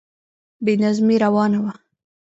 بې نظمی روانه وه.